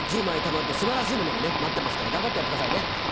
１０枚たまると素晴らしいものが待ってますから頑張ってやってくださいね。